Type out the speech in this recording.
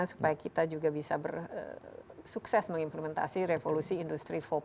supaya kita juga bisa sukses mengimplementasi revolusi industri empat